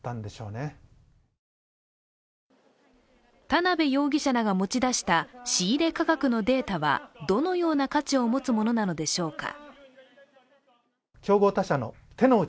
田辺容疑者らが持ち出した仕入価格のデータはどのような価値を持つものなのでしょうか。